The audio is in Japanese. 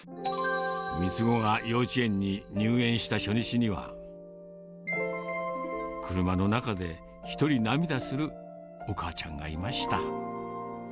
三つ子が幼稚園に入園した初日には、車の中で一人、涙するお母ちゃんがいました。